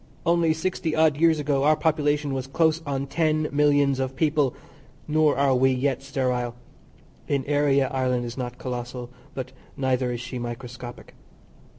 Only sixty odd years ago our population was close on ten millions of people, nor are we yet sterile; in area Ireland is not collossal, but neither is she microscopic.